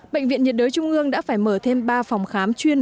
bệnh viện nhiệt đới trung ương đã phải mở thêm ba phòng khám chuyên